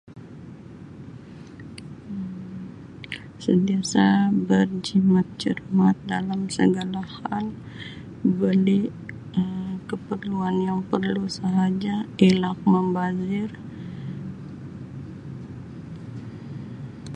Um Sentiasa berjimat cermat dalam segala hal, beli Um keperluan yang perlu sahaja, elak membazir.